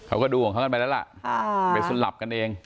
เขาก็ดูของเขากันไปแล้วล่ะไปสลับกันเอง